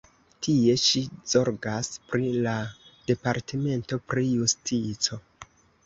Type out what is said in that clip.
Tie ŝi zorgas pri la Departamento pri Justico.